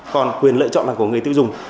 còn quyền lợi chọn là của người tiêu dùng